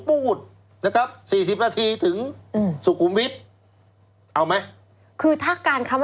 ปูดนะครับ